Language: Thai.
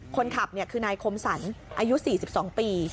คนขับคือนายคมสรรอายุ๔๒ปี